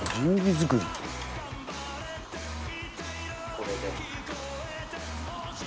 これで。